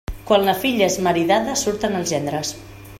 Quan la filla és maridada, surten els gendres.